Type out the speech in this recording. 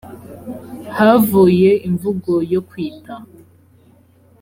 havuye imvugo yo kwita